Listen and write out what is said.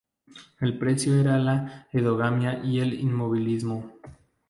El precio era la endogamia y el inmovilismo.